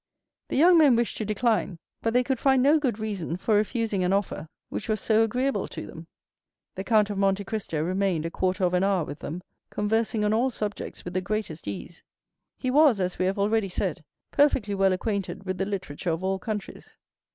The young men wished to decline, but they could find no good reason for refusing an offer which was so agreeable to them. The Count of Monte Cristo remained a quarter of an hour with them, conversing on all subjects with the greatest ease. He was, as we have already said, perfectly well acquainted with the literature of all countries.